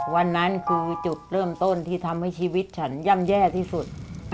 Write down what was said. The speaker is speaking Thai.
วันนั้นคือจุดเริ่มต้นที่ทำให้ชีวิตฉันย่ำแย่ที่สุด